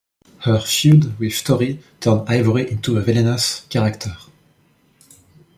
Her feud with Tori turned Ivory into a villainous character.